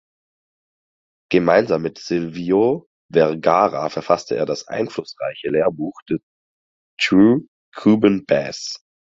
Gemeinsam mit Silvio Vergara verfasste er das einflussreiche Lehrbuch "The True Cuban Bass".